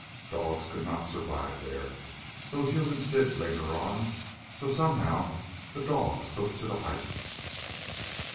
Dogs could not survive there, though humans did linger on, so somehow the dogs took to the heights.